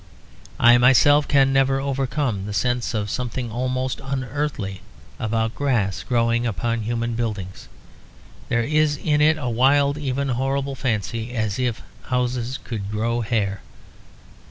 I myself can never overcome the sense of something almost unearthly about grass growing upon human buildings. There is in it a wild and even horrible fancy, as if houses could grow hair.